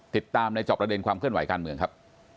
ติดตามในจอบประเด็นความเคลื่อนไหวการเมืองครับ